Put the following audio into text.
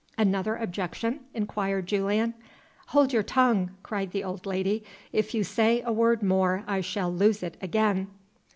"Another objection?" inquired Julian. "Hold your tongue!" cried the old lady. "If you say a word more I shall lose it again."